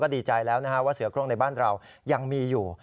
ดีใจแล้วว่าเสือโครงในบ้านเรายังมีอยู่